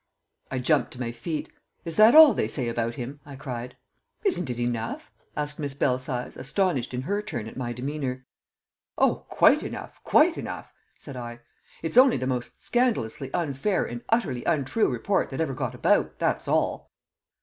I jumped to my feet. "Is that all they say about him?" I cried. "Isn't it enough?" asked Miss Belsize, astonished in her turn at my demeanour. "Oh, quite enough, quite enough!" said I. "It's only the most scandalously unfair and utterly untrue report that ever got about that's all!"